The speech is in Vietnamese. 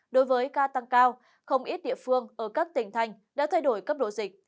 đối với ca tăng cao không ít địa phương ở các tỉnh thành đã thay đổi cấp độ dịch